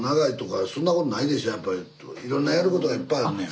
いろんなやることがいっぱいあるのや。